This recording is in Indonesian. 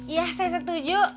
iya saya setuju